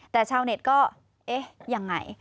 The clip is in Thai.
แต่ชาวเน็ตก็เอ๊ะยังไง